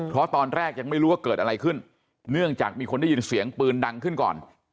เพราะตอนแรกยังไม่รู้ว่าเกิดอะไรขึ้นเนื่องจากมีคนได้ยินเสียงปืนดังขึ้นก่อน